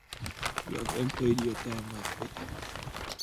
You have employed your time much better.